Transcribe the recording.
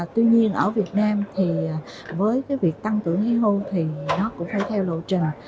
tuy nhiên ở việt nam thì với cái việc tăng tuổi nghỉ hưu thì nó cũng phải theo lộ trình